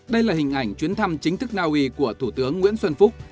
đây là hình ảnh chuyến thăm chính thức na uy của thủ tướng nguyễn xuân phúc